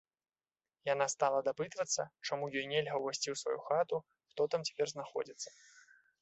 Яна стала дапытвацца, чаму ёй нельга ўвайсці ў сваю хату, хто там цяпер знаходзіцца.